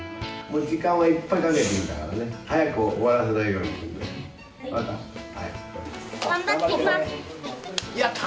時間はいっぱいかけていいんだからね、早く終わらせないようにね、分かった？